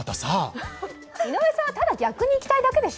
井上さんはただ逆に行きたいだけでしょ？